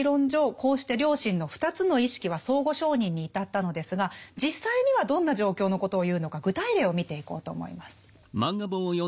こうして良心の２つの意識は相互承認に至ったのですが実際にはどんな状況のことを言うのか具体例を見ていこうと思います。